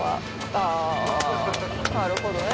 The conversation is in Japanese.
「ああなるほどね」